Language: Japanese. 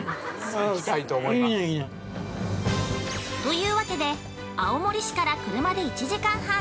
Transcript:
◆いうわけで青森市から車で１時間半。